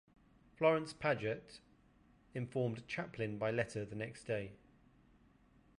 Florence Paget informed Chaplin by letter the next day.